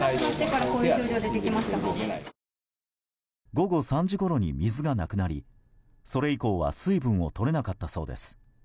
午後３時ごろに水がなくなりそれ以降は水分をとれなかったそうです。